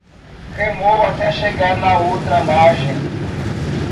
Remou até chegar na outra margem